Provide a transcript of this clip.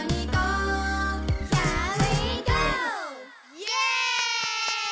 イエイ！